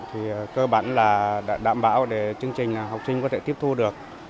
thì cơ bản là đảm bảo để chương trình học sinh có thể tiếp thu được